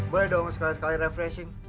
boleh dong sekali sekali refreshing